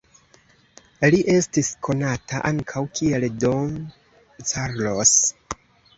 Li estis konata ankaŭ kiel Don Carlos.